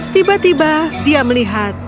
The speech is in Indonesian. tiba tiba dia melihat